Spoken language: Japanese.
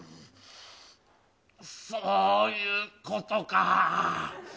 そういうことか。